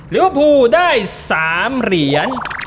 ลิเวอร์พูลได้๓เหรียญ